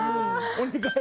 お願い。